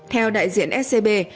theo đại diện scb